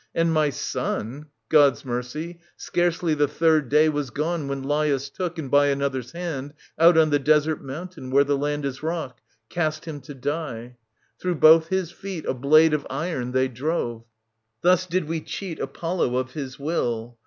And my son — God's mercy !— scarcely the third day was gone When Laius took, and by another's hand Out on the desert mountain, where the land Is rock, cast him to die. Through both his feet A blade of iron they drove. Thus did we cheat Apollo of his will.